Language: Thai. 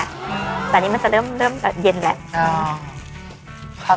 แต่อันนี้มันจะเริ่มเย็นแล้ว